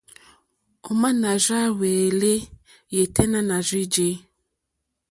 Òmá nà rzá hwɛ̄lɛ̀ yêténá à rzí jè.